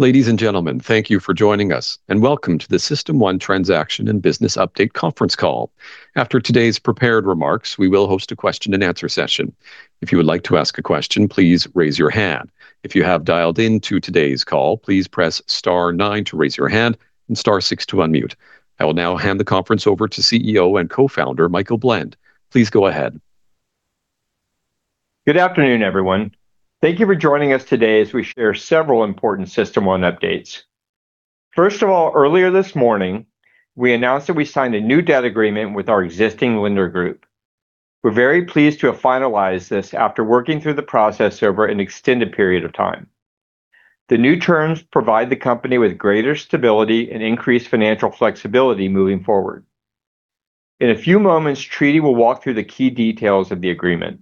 Ladies and gentlemen, thank you for joining us, and welcome to the System1 transaction and business update conference call. After today's prepared remarks, we will host a question-and-answer session. If you would like to ask question, please raise your hand. If you have dialed into today's call, please press star nine to raise your hand and star six to unmute. I will now hand the conference over to CEO and Co-Founder, Michael Blend. Please go ahead. Good afternoon, everyone. Thank you for joining us today as we share several important System1 updates. First of all, earlier this morning, we announced that we signed a new debt agreement with our existing lender group. We're very pleased to have finalized this after working through the process over an extended period of time. The new terms provide the company with greater stability and increased financial flexibility moving forward. In a few moments, Tridi will walk through the key details of the agreement.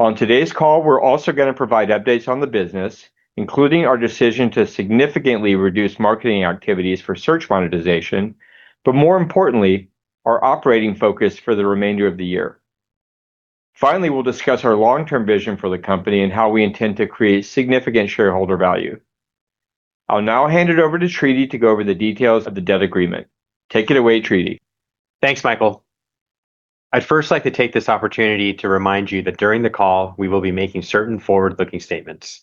On today's call, we're also going to provide updates on the business, including our decision to significantly reduce marketing activities for search monetization, but more importantly, our operating focus for the remainder of the year. Finally, we'll discuss our long-term vision for the company and how we intend to create significant shareholder value. I'll now hand it over to Tridi to go over the details of the debt agreement. Take it away, Tridi. Thanks, Michael. I'd first like to take this opportunity to remind you that during the call, we will be making certain forward-looking statements.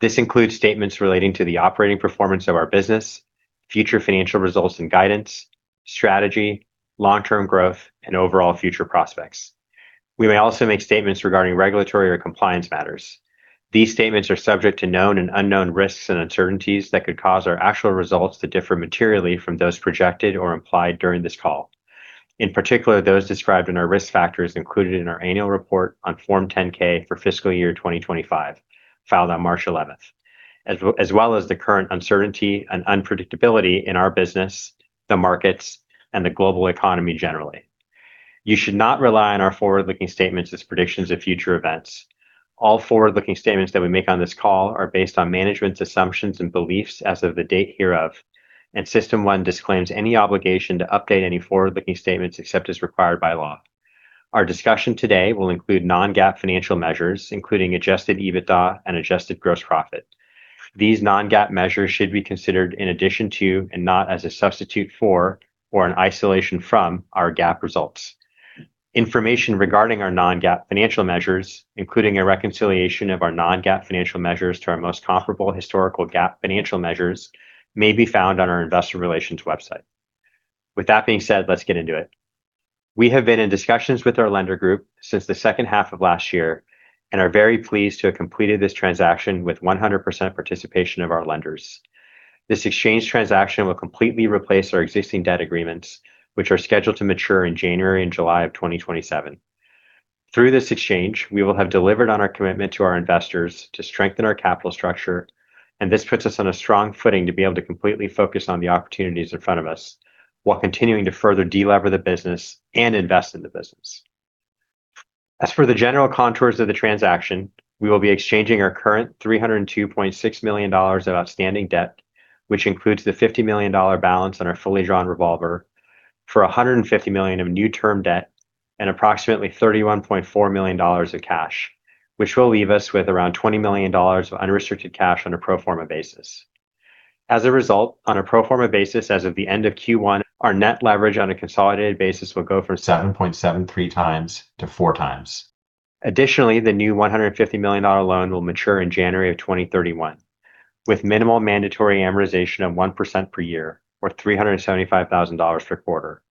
This includes statements relating to the operating performance of our business, future financial results and guidance, strategy, long-term growth, and overall future prospects. We may also make statements regarding regulatory or compliance matters. These statements are subject to known and unknown risks and uncertainties that could cause our actual results to differ materially from those projected or implied during this call. In particular, those described in our risk factors included in our annual report on Form 10-K for fiscal year 2025, filed on March 11th. As well as the current uncertainty and unpredictability in our business, the markets, and the global economy generally. You should not rely on our forward-looking statements as predictions of future events. All forward-looking statements that we make on this call are based on management's assumptions and beliefs as of the date hereof, and System1 disclaims any obligation to update any forward-looking statements except as required by law. Our discussion today will include non-GAAP financial measures, including adjusted EBITDA and adjusted gross profit. These non-GAAP measures should be considered in addition to, and not as a substitute for or an isolation from our GAAP results. Information regarding our non-GAAP financial measures, including a reconciliation of our non-GAAP financial measures to our most comparable historical GAAP financial measures, may be found on our investor relations website. With that being said, let's get into it. We have been in discussions with our lender group since the second half of last year and are very pleased to have completed this transaction with 100% participation of our lenders. This exchange transaction will completely replace our existing debt agreements, which are scheduled to mature in January and July of 2027. Through this exchange, we will have delivered on our commitment to our investors to strengthen our capital structure, and this puts us on a strong footing to be able to completely focus on the opportunities in front of us while continuing to further delever the business and invest in the business. As for the general contours of the transaction, we will be exchanging our current $302.6 million of outstanding debt, which includes the $50 million balance on our fully drawn revolver, for $150 million of new term debt and approximately $31.4 million of cash, which will leave us with around $20 million of unrestricted cash on a pro forma basis. As a result, on a pro forma basis as of the end of Q1, our net leverage on a consolidated basis will go from 7.73x-4x. Additionally, the new $150 million loan will mature in January of 2031 with minimal mandatory amortization of 1% per year or $375,000 per quarter.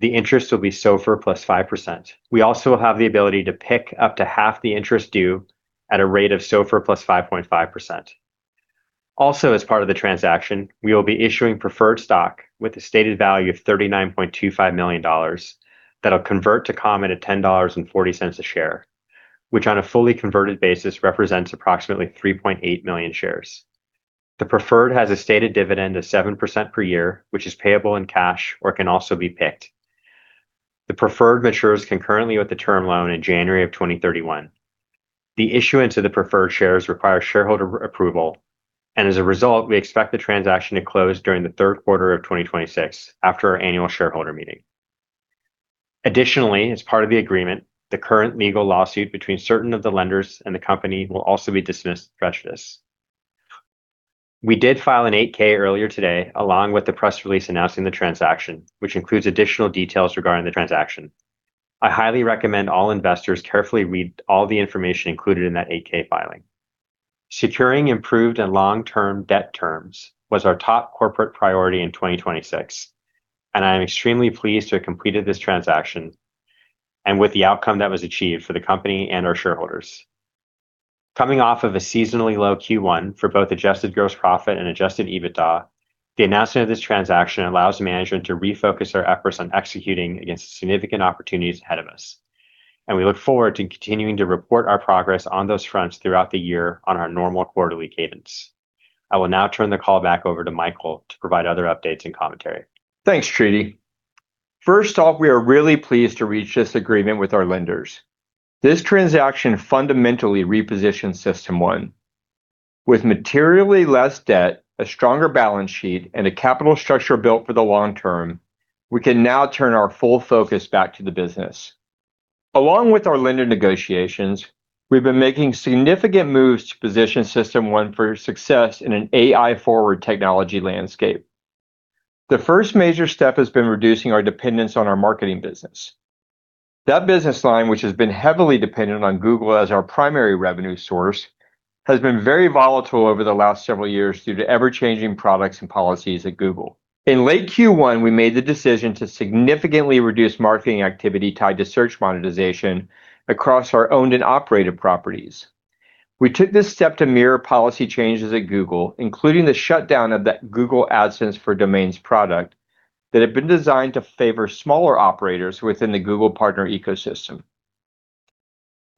The interest will be SOFR +5%. We also have the ability to PIK up to half the interest due at a rate of SOFR +5.5%. Also, as part of the transaction, we will be issuing preferred stock with a stated value of $39.25 million that'll convert to common at $10.40 a share, which on a fully converted basis represents approximately 3.8 million shares. The preferred has a stated dividend of 7% per year, which is payable in cash or can also be PIK'd. The preferred matures concurrently with the term loan in January of 2031. The issuance of the preferred shares requires shareholder approval, and as a result, we expect the transaction to close during the third quarter of 2026, after our annual shareholder meeting. Additionally, as part of the agreement, the current legal lawsuit between certain of the lenders and the company will also be dismissed with prejudice. We did file an 8-K earlier today, along with the press release announcing the transaction, which includes additional details regarding the transaction. I highly recommend all investors carefully read all the information included in that 8-K filing. Securing improved and long-term debt terms was our top corporate priority in 2026, and I am extremely pleased to have completed this transaction and with the outcome that was achieved for the company and our shareholders. Coming off of a seasonally low Q1 for both adjusted gross profit and adjusted EBITDA, the announcement of this transaction allows management to refocus our efforts on executing against the significant opportunities ahead of us. We look forward to continuing to report our progress on those fronts throughout the year on our normal quarterly cadence. I will now turn the call back over to Michael to provide other updates and commentary. Thanks, Tridi. First off, we are really pleased to reach this agreement with our lenders. This transaction fundamentally repositions System1. With materially less debt, a stronger balance sheet, and a capital structure built for the long term, we can now turn our full focus back to the business. Along with our lender negotiations, we've been making significant moves to position System1 for success in an AI-forward technology landscape. The first major step has been reducing our dependence on our marketing business. That business line, which has been heavily dependent on Google as our primary revenue source, has been very volatile over the last several years due to ever-changing products and policies at Google. In late Q1, we made the decision to significantly reduce marketing activity tied to Search monetization across our owned and operated properties. We took this step to mirror policy changes at Google, including the shutdown of that Google AdSense for Domains product that had been designed to favor smaller operators within the Google partner ecosystem.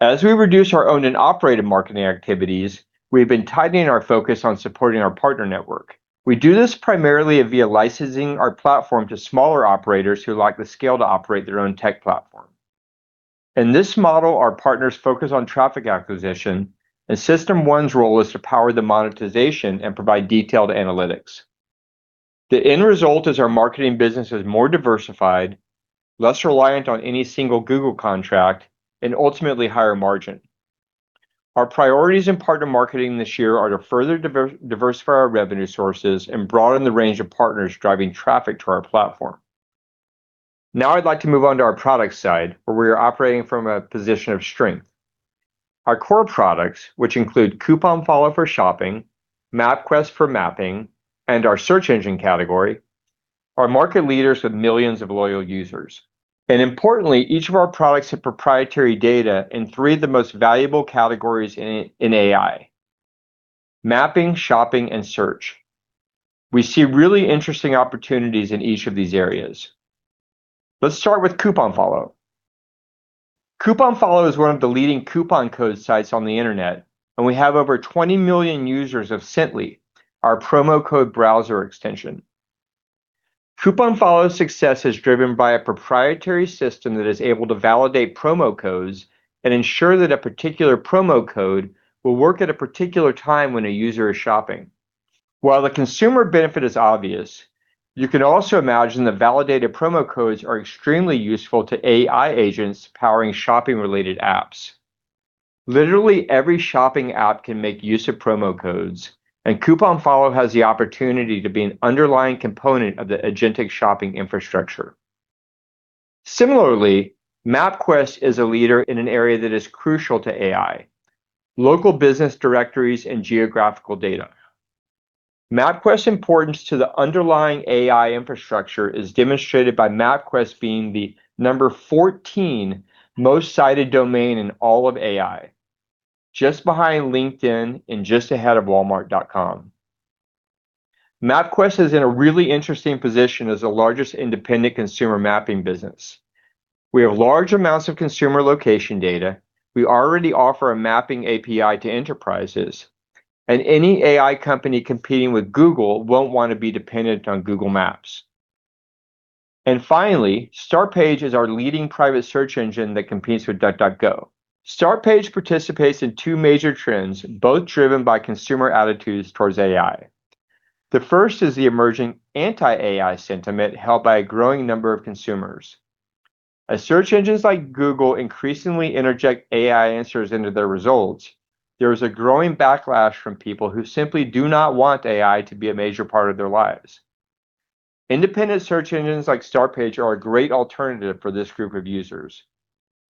As we reduce our owned and operated marketing activities, we've been tightening our focus on supporting our partner network. We do this primarily via licensing our platform to smaller operators who lack the scale to operate their own tech platform. In this model, our partners focus on traffic acquisition, and System1's role is to power the monetization and provide detailed analytics. The end result is our marketing business is more diversified, less reliant on any single Google contract, and ultimately higher margin. Our priorities in partner marketing this year are to further diversify our revenue sources and broaden the range of partners driving traffic to our platform. Now, I'd like to move on to our product side, where we are operating from a position of strength. Our core products, which include CouponFollow for shopping, MapQuest for mapping, and our search engine category, are market leaders with millions of loyal users. Importantly, each of our products have proprietary data in three of the most valuable categories in AI, mapping, shopping, and search. We see really interesting opportunities in each of these areas. Let's start with CouponFollow. CouponFollow is one of the leading coupon code sites on the internet, and we have over 20 million users of Cently, our promo code browser extension. CouponFollow's success is driven by a proprietary system that is able to validate promo codes and ensure that a particular promo code will work at a particular time when a user is shopping. While the consumer benefit is obvious, you can also imagine that validated promo codes are extremely useful to AI agents powering shopping-related apps. Literally every shopping app can make use of promo codes, and CouponFollow has the opportunity to be an underlying component of the agentic shopping infrastructure. Similarly, MapQuest is a leader in an area that is crucial to AI, local business directories and geographical data. MapQuest's importance to the underlying AI infrastructure is demonstrated by MapQuest being the number 14 most cited domain in all of AI, just behind LinkedIn and just ahead of walmart.com. MapQuest is in a really interesting position as the largest independent consumer mapping business. We have large amounts of consumer location data. We already offer a mapping API to enterprises, and any AI company competing with Google won't want to be dependent on Google Maps. Finally, Startpage is our leading private search engine that competes with DuckDuckGo. Startpage participates in two major trends, both driven by consumer attitudes towards AI. The first is the emerging anti-AI sentiment held by a growing number of consumers. As search engines like Google increasingly interject AI answers into their results, there is a growing backlash from people who simply do not want AI to be a major part of their lives. Independent search engines like Startpage are a great alternative for this group of users.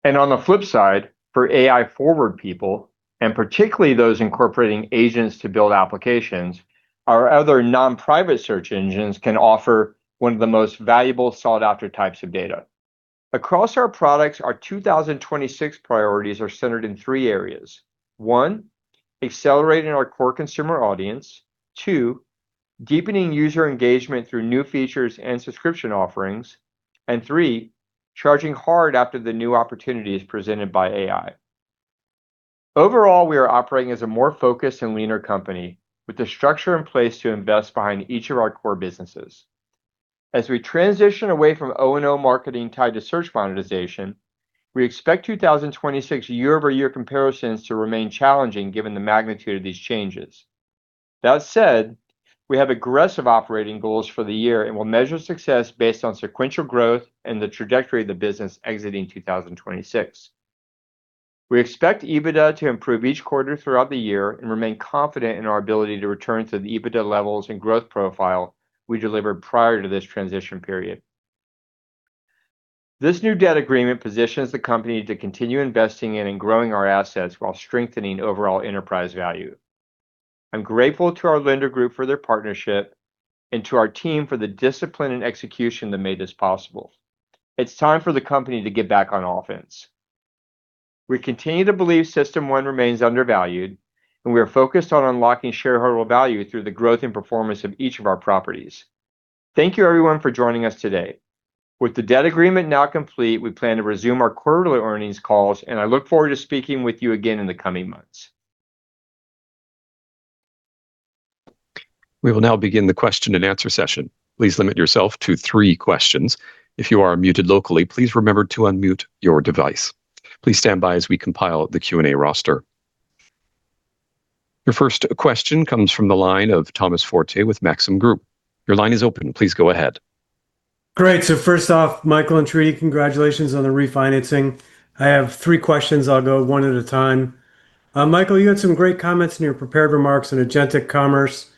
On the flip side, for AI-forward people, and particularly those incorporating agents to build applications, our other non-private search engines can offer one of the most valuable sought-after types of data. Across our products, our 2026 priorities are centered in three areas. One. Accelerating our core consumer audience. Two. Deepening user engagement through new features and subscription offerings. Three, charging hard after the new opportunities presented by AI. Overall, we are operating as a more focused and leaner company with the structure in place to invest behind each of our core businesses. As we transition away from O&O marketing tied to search monetization, we expect 2026 year-over-year comparisons to remain challenging given the magnitude of these changes. That said, we have aggressive operating goals for the year and will measure success based on sequential growth and the trajectory of the business exiting 2026. We expect EBITDA to improve each quarter throughout the year and remain confident in our ability to return to the EBITDA levels and growth profile we delivered prior to this transition period. This new debt agreement positions the company to continue investing in and growing our assets while strengthening overall enterprise value. I'm grateful to our lender group for their partnership and to our team for the discipline and execution that made this possible. It's time for the company to get back on offense. We continue to believe System1 remains undervalued, and we are focused on unlocking shareholder value through the growth and performance of each of our properties. Thank you, everyone, for joining us today. With the debt agreement now complete, we plan to resume our quarterly earnings calls, and I look forward to speaking with you again in the coming months. We will now begin the question and answer session. Please limit yourself to three questions. If you are muted locally, please remember to unmute your device. Please stand by as we compile the Q&A roster. Your first question comes from the line of Tomas Forte with Maxim Group. Your line is open. Please go ahead. Great. First off, Michael and Tridi, congratulations on the refinancing. I have three questions. I'll go one at a time. Michael, you had some great comments in your prepared remarks on agentic commerce.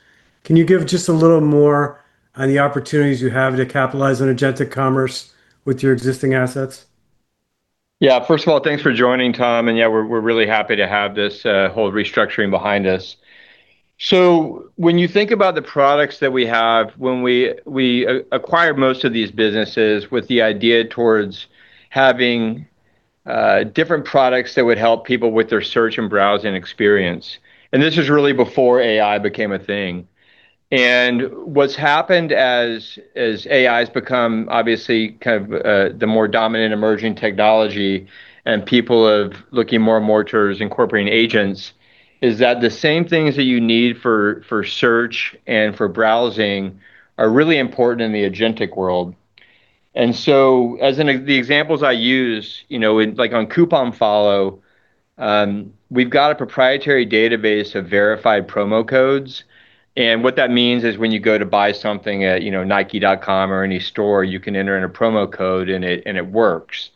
Can you give just a little more on the opportunities you have to capitalize on agentic commerce with your existing assets? Yeah. First of all, thanks for joining, Tom, and yeah, we're really happy to have this whole restructuring behind us. When you think about the products that we have, when we acquired most of these businesses with the idea towards having different products that would help people with their search and browsing experience, and this was really before AI became a thing. What's happened as AI's become obviously kind of the more dominant emerging technology and people are looking more and more towards incorporating agents, is that the same things that you need for search and for browsing are really important in the agentic world. The examples I use, like on CouponFollow, we've got a proprietary database of verified promo codes, and what that means is when you go to buy something at nike.com or any store, you can enter in a promo code and it works.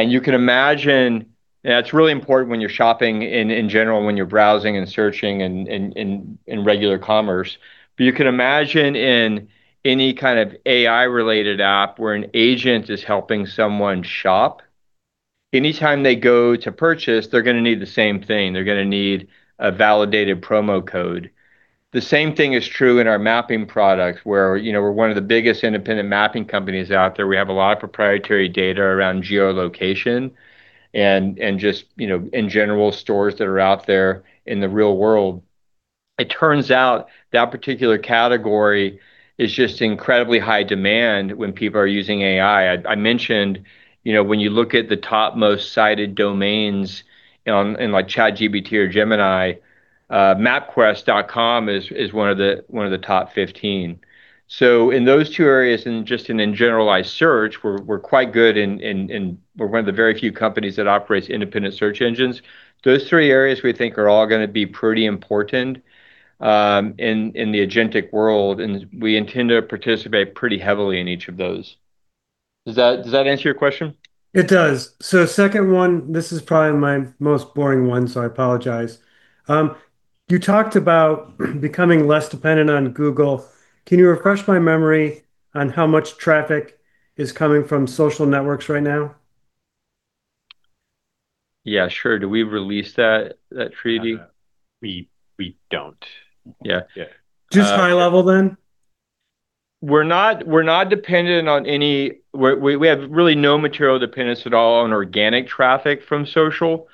It's really important when you're shopping in general, when you're browsing and searching in regular commerce. You can imagine in any kind of AI-related app where an agent is helping someone shop, anytime they go to purchase, they're going to need the same thing. They're going to need a validated promo code. The same thing is true in our mapping products, where we're one of the biggest independent mapping companies out there. We have a lot of proprietary data around geolocation and just in general, stores that are out there in the real world. It turns out that particular category is just incredibly high demand when people are using AI. I mentioned when you look at the topmost cited domains in ChatGPT or Gemini, mapquest.com is one of the top 15. In those two areas and just in generalized search, we're quite good and we're one of the very few companies that operates independent search engines. Those three areas we think are all going to be pretty important in the agentic world, and we intend to participate pretty heavily in each of those. Does that answer your question? It does. Second one, this is probably my most boring one. I apologize. You talked about becoming less dependent on Google. Can you refresh my memory on how much traffic is coming from social networks right now? Yeah, sure. Do we release that, Tridi? We don't. Yeah. Just high level, then? We have really no material dependence at all on organic traffic from social.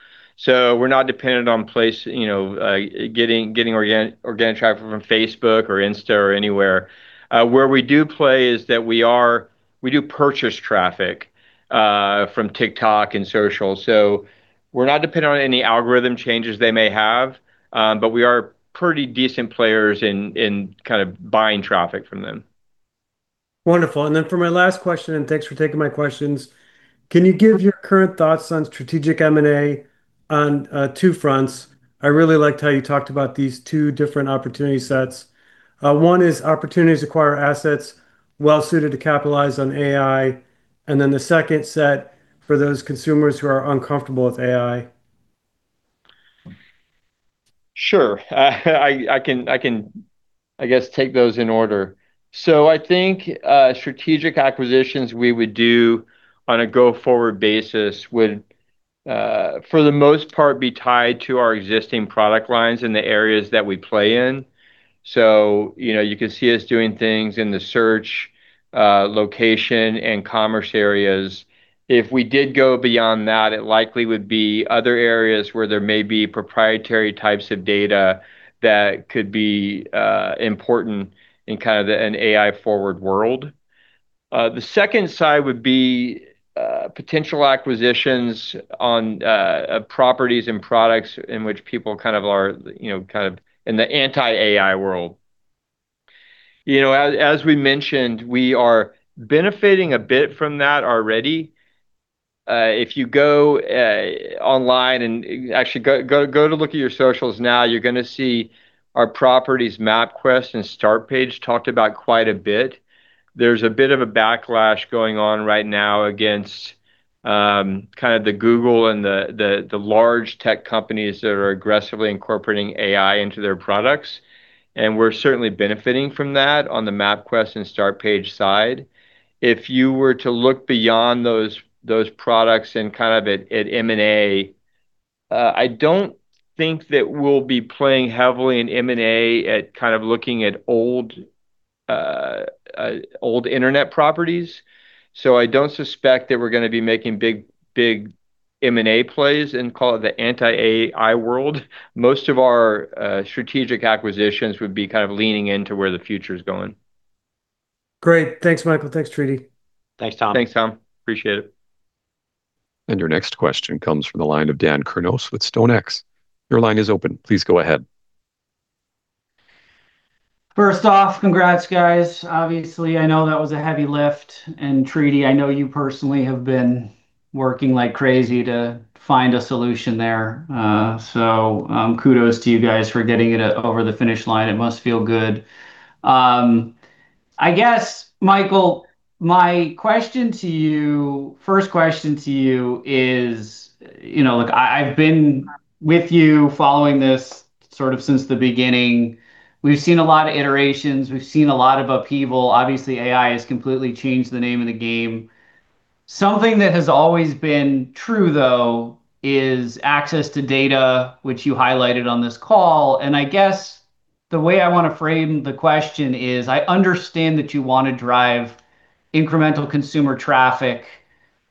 We're not dependent on getting organic traffic from Facebook or Instagram or anywhere. Where we do play is that we do purchase traffic from TikTok and social. We're not dependent on any algorithm changes they may have, but we are pretty decent players in kind of buying traffic from them. Wonderful. For my last question, and thanks for taking my questions, can you give your current thoughts on strategic M&A on two fronts? I really liked how you talked about these two different opportunity sets. One is opportunities to acquire assets well-suited to capitalize on AI, the second set for those consumers who are uncomfortable with AI. Sure. I can, I guess, take those in order. I think strategic acquisitions we would do on a go-forward basis would, for the most part, be tied to our existing product lines in the areas that we play in. You could see us doing things in the search, location, and commerce areas. If we did go beyond that, it likely would be other areas where there may be proprietary types of data that could be important in kind of an AI-forward world. The second side would be potential acquisitions on properties and products in which people kind of are in the anti-AI world. As we mentioned, we are benefiting a bit from that already. If you go online and actually go to look at your socials now, you're going to see our properties MapQuest and Startpage talked about quite a bit. There's a bit of a backlash going on right now against kind of the Google and the large tech companies that are aggressively incorporating AI into their products, and we're certainly benefiting from that on the MapQuest and Startpage side. If you were to look beyond those products and kind of at M&A, I don't think that we'll be playing heavily in M&A at kind of looking at old internet properties. I don't suspect that we're going to be making big M&A plays in, call it, the anti-AI world. Most of our strategic acquisitions would be kind of leaning into where the future's going. Great. Thanks, Michael. Thanks, Tridi. Thanks, Tom. Thanks, Tom. Appreciate it. Your next question comes from the line of Dan Kurnos with StoneX. Your line is open. Please go ahead. First off, congrats, guys. Obviously, I know that was a heavy lift. Tridi, I know you personally have been working like crazy to find a solution there. Kudos to you guys for getting it over the finish line. It must feel good. I guess, Michael, my first question to you is Look, I've been with you following this sort of since the beginning. We've seen a lot of iterations. We've seen a lot of upheaval. Obviously, AI has completely changed the name of the game. Something that has always been true, though, is access to data, which you highlighted on this call. I guess the way I want to frame the question is, I understand that you want to drive incremental consumer traffic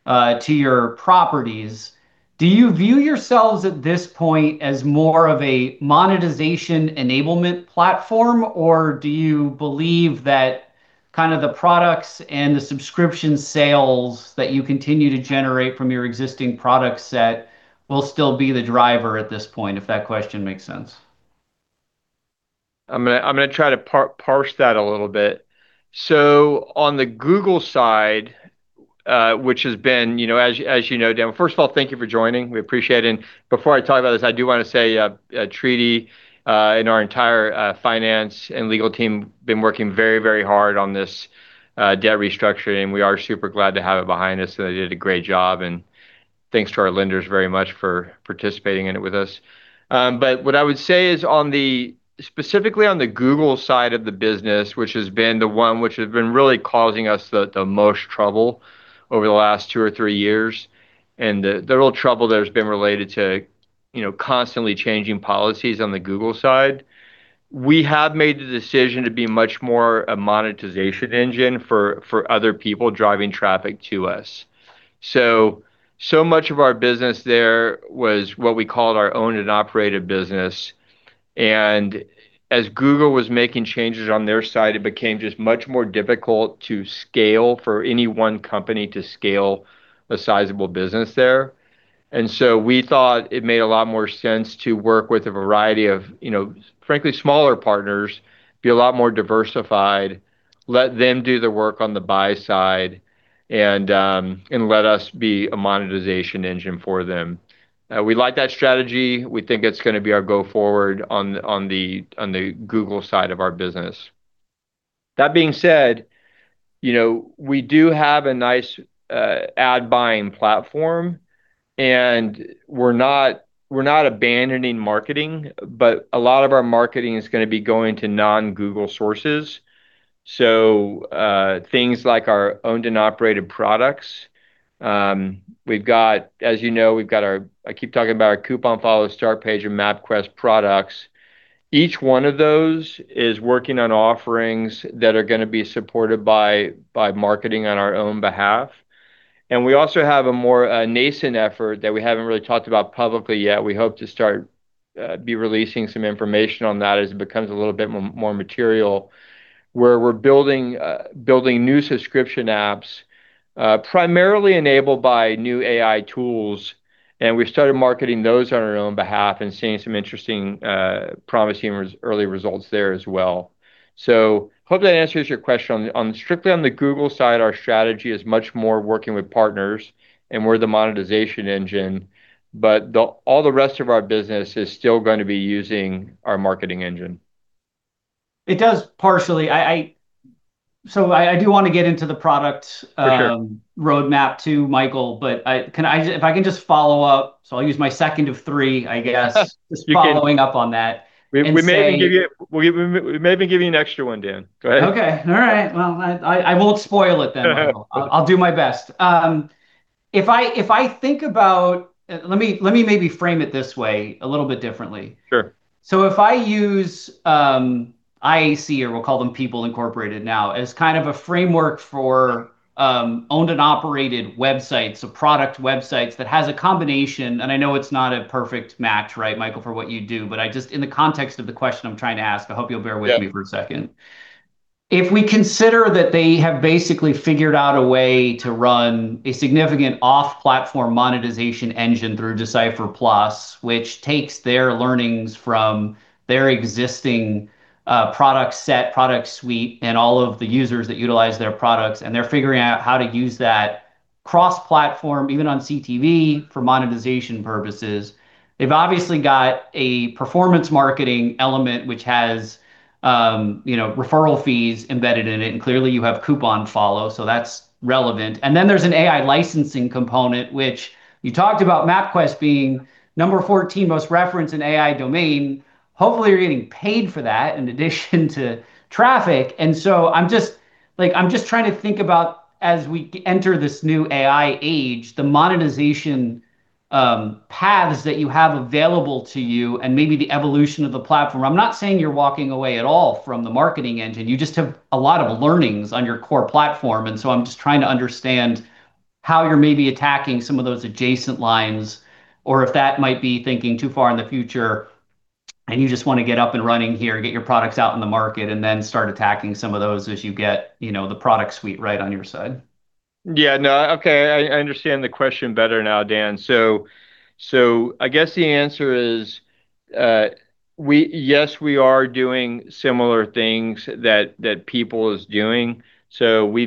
to your properties. Do you view yourselves at this point as more of a monetization enablement platform, or do you believe that the products and the subscription sales that you continue to generate from your existing product set will still be the driver at this point? If that question makes sense. I'm going to try to parse that a little bit. On the Google side, which has been, as you know, Dan. First of all, thank you for joining. We appreciate it. Before I talk about this, I do want to say Tridi and our entire finance and legal team have been working very hard on this debt restructuring. We are super glad to have it behind us, and they did a great job. Thanks to our lenders very much for participating in it with us. What I would say is specifically on the Google side of the business, which has been the one which has been really causing us the most trouble over the last two or three years, and the real trouble there has been related to constantly changing policies on the Google side. We have made the decision to be much more a monetization engine for other people driving traffic to us. So much of our business there was what we called our owned and operated business. As Google was making changes on their side, it became just much more difficult to scale for any one company to scale a sizable business there. We thought it made a lot more sense to work with a variety of, frankly, smaller partners, be a lot more diversified, let them do the work on the buy side, and let us be a monetization engine for them. We like that strategy. We think it's going to be our go forward on the Google side of our business. That being said, we do have a nice ad-buying platform, and we're not abandoning marketing, but a lot of our marketing is going to be going to non-Google sources. Things like our owned and operated products. As you know, I keep talking about our CouponFollow, Startpage, and MapQuest products. Each one of those is working on offerings that are going to be supported by marketing on our own behalf. We also have a more nascent effort that we haven't really talked about publicly yet. We hope to start be releasing some information on that as it becomes a little bit more material, where we're building new subscription apps, primarily enabled by new AI tools, and we've started marketing those on our own behalf and seeing some interesting, promising early results there as well. Hope that answers your question. Strictly on the Google side, our strategy is much more working with partners, and we're the monetization engine. All the rest of our business is still going to be using our marketing engine. It does partially. I do want to get into the product. For sure. Roadmap too, Michael, but if I can just follow up, so I'll use my second of three, I guess. You can. Just following up on that. We may even give you an extra one, Dan. Go ahead. Okay. All right. Well, I won't spoil it then, Michael. I'll do my best. Let me maybe frame it this way a little bit differently. Sure. If I use IAC, or we'll call them People Incorporated now, as kind of a framework for owned and operated websites, so product websites that has a combination, and I know it's not a perfect match, right, Michael, for what you do, but just in the context of the question I'm trying to ask, I hope you'll bear with me for a second. Yeah. If we consider that they have basically figured out a way to run a significant off-platform monetization engine through Decipher+, which takes their learnings from their existing product set, product suite, and all of the users that utilize their products, and they're figuring out how to use that cross-platform, even on CTV, for monetization purposes. They've obviously got a performance marketing element which has referral fees embedded in it, and clearly you have CouponFollow, so that's relevant. There's an AI licensing component, which you talked about MapQuest being number 14 most referenced in AI domain. Hopefully, you're getting paid for that in addition to traffic. I'm just trying to think about as we enter this new AI age, the monetization paths that you have available to you and maybe the evolution of the platform. I'm not saying you're walking away at all from the marketing engine. You just have a lot of learnings on your core platform, and so I'm just trying to understand how you're maybe attacking some of those adjacent lines, or if that might be thinking too far in the future. You just want to get up and running here, get your products out in the market, and then start attacking some of those as you get the product suite right on your side? Yeah. No. Okay. I understand the question better now, Dan. I guess the answer is, yes, we are doing similar things that People is doing. If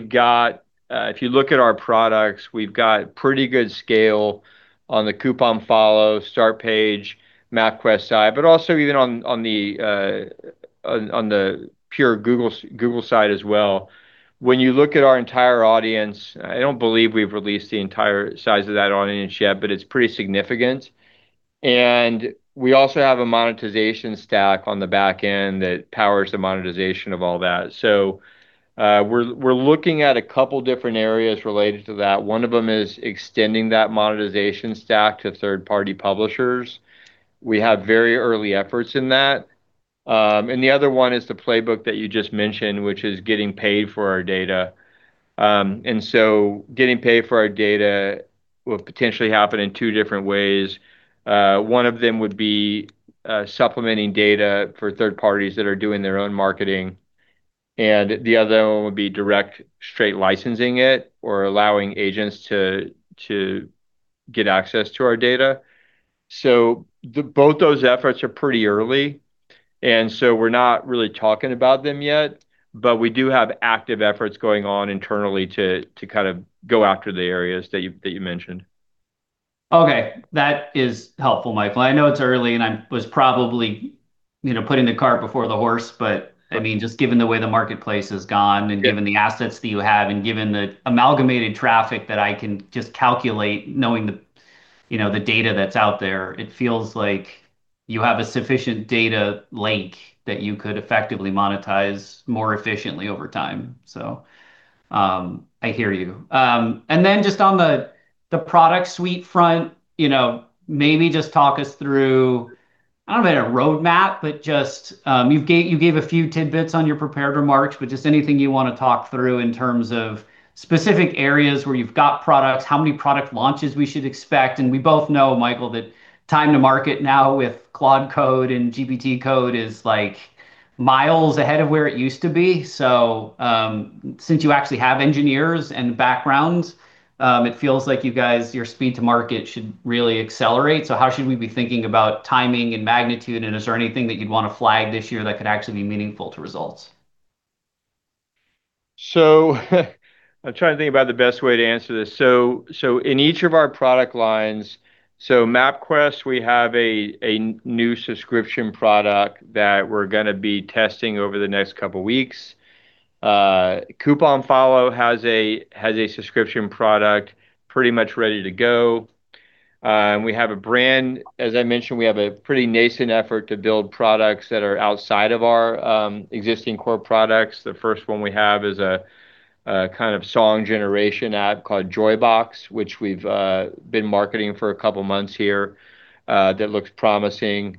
you look at our products, we've got pretty good scale on the CouponFollow, Startpage, MapQuest side, but also even on the pure Google side as well. When you look at our entire audience, I don't believe we've released the entire size of that audience yet, but it's pretty significant. We also have a monetization stack on the back end that powers the monetization of all that. We're looking at a couple different areas related to that. One of them is extending that monetization stack to third-party publishers. We have very early efforts in that. The other one is the playbook that you just mentioned, which is getting paid for our data. Getting paid for our data will potentially happen in two different ways. One of them would be supplementing data for third parties that are doing their own marketing, and the other one would be direct straight licensing it or allowing agents to get access to our data. Both those efforts are pretty early, and so we're not really talking about them yet. We do have active efforts going on internally to go after the areas that you mentioned. That is helpful, Michael. I know it's early, and I was probably putting the cart before the horse, but just given the way the marketplace has gone and given the assets that you have and given the amalgamated traffic that I can just calculate knowing the data that's out there, it feels like you have a sufficient data lake that you could effectively monetize more efficiently over time. I hear you. Just on the product suite front, maybe just talk us through, I don't know about a roadmap, but you gave a few tidbits on your prepared remarks, but just anything you want to talk through in terms of specific areas where you've got products, how many product launches we should expect. We both know, Michael, that time to market now with Claude Code and GPT code is miles ahead of where it used to be. Since you actually have engineers and backgrounds, it feels like you guys, your speed to market should really accelerate. How should we be thinking about timing and magnitude? Is there anything that you'd want to flag this year that could actually be meaningful to results? I'm trying to think about the best way to answer this. In each of our product lines, MapQuest, we have a new subscription product that we're going to be testing over the next couple of weeks. CouponFollow has a subscription product pretty much ready to go. We have a brand, as I mentioned, we have a pretty nascent effort to build products that are outside of our existing core products. The first one we have is a song generation app called Joybox, which we've been marketing for a couple of months here. That looks promising.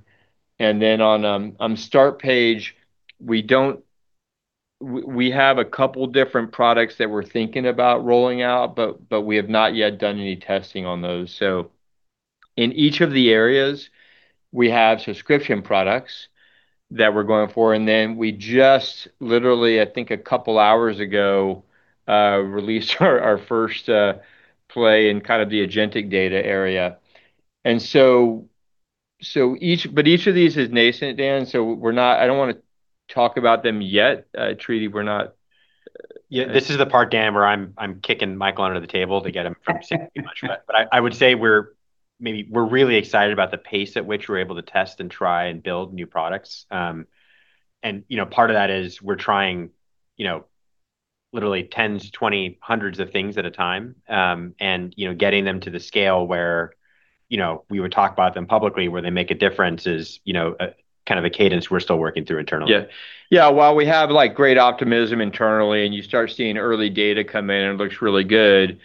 On Startpage, we have a couple different products that we're thinking about rolling out, but we have not yet done any testing on those. In each of the areas, we have subscription products that we're going for, and then we just literally, I think a couple of hours ago, released our first play in the agentic data area. Each of these is nascent, Dan, so I don't want to talk about them yet. Tridi, we're not. Yeah, this is the part, Dan, where I'm kicking Michael under the table to get him from saying too much. I would say we're really excited about the pace at which we're able to test and try and build new products. Part of that is we're trying literally 10-20 hundreds of things at a time. Getting them to the scale where we would talk about them publicly, where they make a difference is a cadence we're still working through internally. Yeah. While we have great optimism internally and you start seeing early data come in and it looks really good,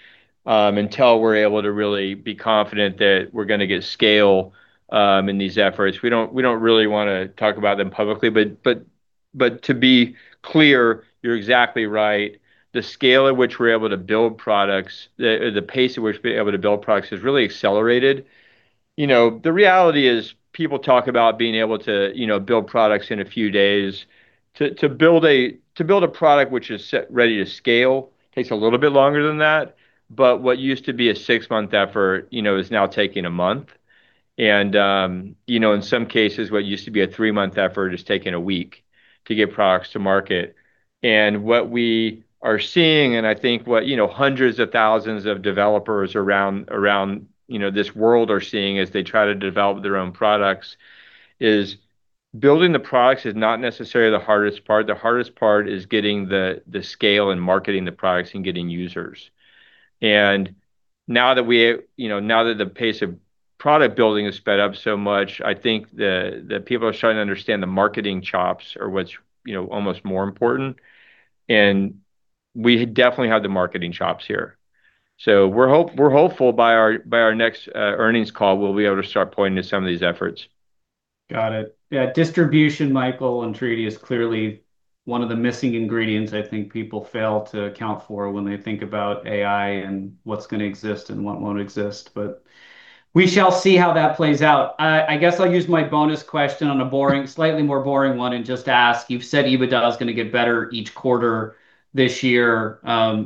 until we're able to really be confident that we're going to get scale in these efforts, we don't really want to talk about them publicly. To be clear, you're exactly right. The scale at which we're able to build products, the pace at which we're able to build products has really accelerated. The reality is people talk about being able to build products in a few days. To build a product which is set, ready to scale takes a little bit longer than that. What used to be a six-month effort is now taking a month. In some cases, what used to be a three-month effort is taking a week to get products to market. What we are seeing, and I think what 100,000 of developers around this world are seeing as they try to develop their own products, is building the products is not necessarily the hardest part. The hardest part is getting the scale and marketing the products and getting users. Now that the pace of product building has sped up so much, I think that people are starting to understand the marketing chops are what's almost more important. We definitely have the marketing chops here. We're hopeful by our next earnings call, we'll be able to start pointing to some of these efforts. Got it. Yeah. Distribution, Michael and Tridi, is clearly one of the missing ingredients I think people fail to account for when they think about AI and what's going to exist and what won't exist. We shall see how that plays out. I guess I'll use my bonus question on a slightly more boring one and just ask, you've said EBITDA is going to get better each quarter this year.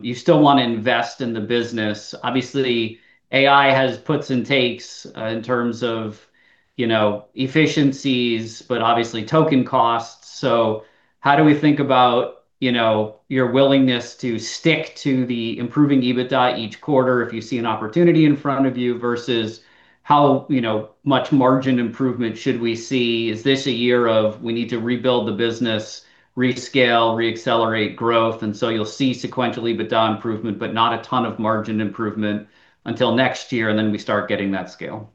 You still want to invest in the business. Obviously, AI has puts and takes in terms of efficiencies, but obviously token costs. How do we think about your willingness to stick to the improving EBITDA each quarter if you see an opportunity in front of you versus how much margin improvement should we see? Is this a year of we need to rebuild the business, rescale, re-accelerate growth, and so you'll see sequential EBITDA improvement, but not a ton of margin improvement until next year, and then we start getting that scale?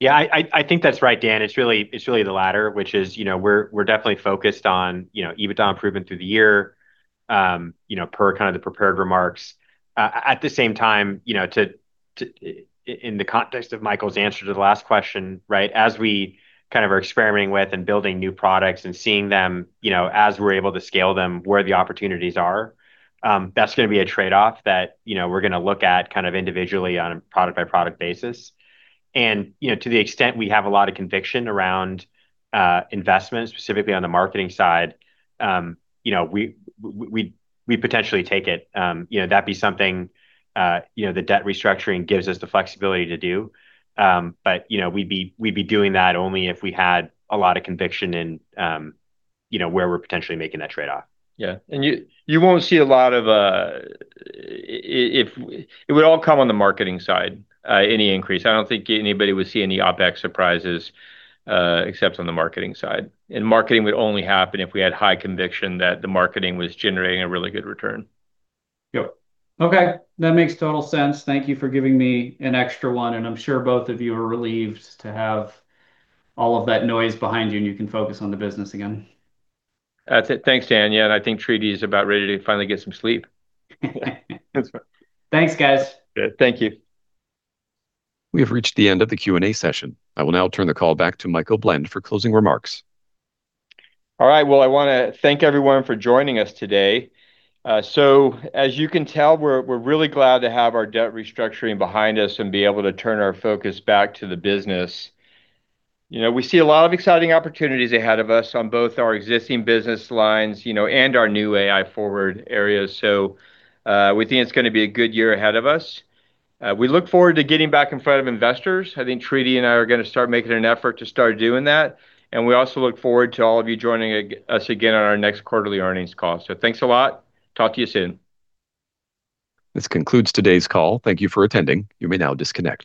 Yeah, I think that's right, Dan. It's really the latter, which is, we're definitely focused on EBITDA improvement through the year, per the prepared remarks. At the same time, in the context of Michael's answer to the last question, as we are experimenting with and building new products and seeing them as we're able to scale them, where the opportunities are. That's going to be a trade-off that we're going to look at individually on a product-by-product basis. To the extent we have a lot of conviction around investment, specifically on the marketing side, we potentially take it. That'd be something the debt restructuring gives us the flexibility to do. We'd be doing that only if we had a lot of conviction in where we're potentially making that trade-off. Yeah. It would all come on the marketing side, any increase. I don't think anybody would see any OpEx surprises except on the marketing side. Marketing would only happen if we had high conviction that the marketing was generating a really good return. Yep. Okay. That makes total sense. Thank you for giving me an extra one, and I'm sure both of you are relieved to have all of that noise behind you, and you can focus on the business again. That's it. Thanks, Dan. Yeah, I think Tridi is about ready to finally get some sleep. Thanks, guys. Good. Thank you. We have reached the end of the Q&A session. I will now turn the call back to Michael Blend for closing remarks. All right. Well, I want to thank everyone for joining us today. As you can tell, we're really glad to have our debt restructuring behind us and be able to turn our focus back to the business. We see a lot of exciting opportunities ahead of us on both our existing business lines, and our new AI forward areas. We think it's going to be a good year ahead of us. We look forward to getting back in front of investors. I think Tridi and I are going to start making an effort to start doing that, and we also look forward to all of you joining us again on our next quarterly earnings call. Thanks a lot. Talk to you soon. This concludes today's call. Thank you for attending. You may now disconnect.